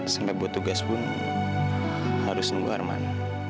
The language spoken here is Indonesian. sampai buat tugas pun harus nunggu armana